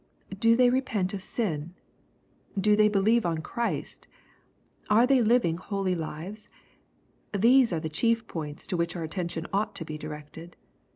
— Do they repent of sin ? Do they believe on Christ ? Are they living holy lives ? These are the chief points to which our attention ought to be directed.